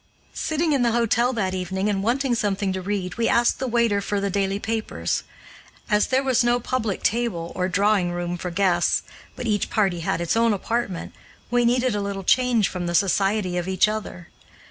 Sitting in the hotel that evening and wanting something to read, we asked the waiter for the daily papers. As there was no public table or drawing room for guests, but each party had its own apartment, we needed a little change from the society of each other.